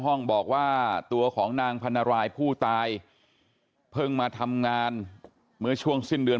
ห้องบอกว่าตัวของนางพันรายผู้ตายเพิ่งมาทำงานเมื่อช่วงสิ้นเดือน